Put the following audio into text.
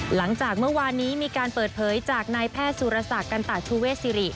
หลังจากเมื่อวานนี้มีการเปิดเผยจากนายแพทย์สุรศักดิ์กันตาชูเวศิริ